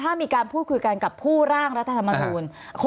ถ้ามีการพูดคุยกันกับผู้ร่างรัฐธรรมนูล